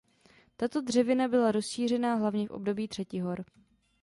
Tato dřevina byla rozšířená hlavně v období třetihor.